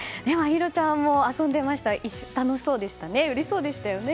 真寛ちゃんも遊んでいましたがうれしそうでしたね。